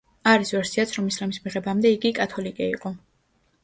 არის ვერსიაც, რომ ისლამის მიღებამდე იგი კათოლიკე იყო.